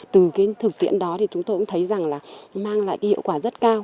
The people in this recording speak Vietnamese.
từ cái thực tiễn đó thì chúng tôi cũng thấy rằng là mang lại cái hiệu quả rất cao